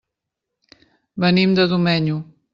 Venim de Domenyo.